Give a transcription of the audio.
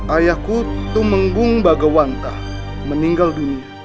ayahku tumenggung bagawanta meninggal dunia